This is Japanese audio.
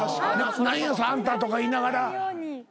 「何やあんた」とか言いながら。